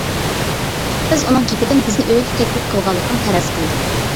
بىز ئۇنىڭ گېپىدىن بىزنى ئۆيىگە تەكلىپ قىلغانلىقىنى پەرەز قىلدۇق.